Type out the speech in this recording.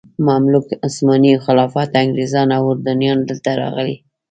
مملوک، عثماني خلافت، انګریزان او اردنیان دلته راغلي.